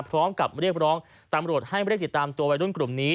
พร้อมกับเรียกร้องตำรวจให้ไม่ได้ติดตามตัววัยรุ่นกลุ่มนี้